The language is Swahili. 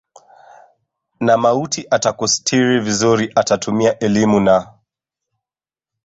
na mauti atakustiri vizuri atatumia elimu na